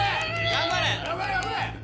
頑張れ！